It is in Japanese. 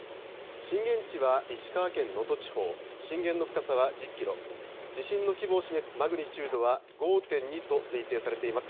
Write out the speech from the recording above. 震源地は石川県能登地方、震源の深さは１０キロ、地震の規模を示すマグニチュードは５．２と推定されています。